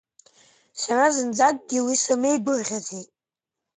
Сара зынӡакгьы уи самеи-гәырӷьаӡеит.